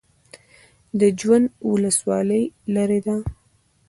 د جوند ولسوالۍ لیرې ده